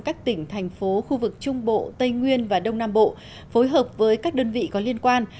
các tỉnh thành phố khu vực trung bộ tây nguyên và đông nam bộ phối hợp với các đơn vị có liên quan